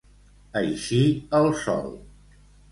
Eixir el sol.